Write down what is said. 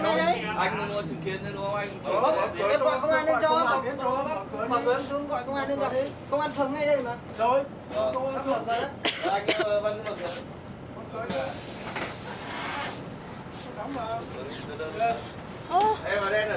em mở cửa mở cửa mở công an xuống nhé